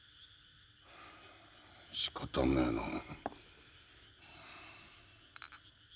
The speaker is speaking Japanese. しかたねえなあ。